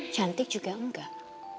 cantik juga enggak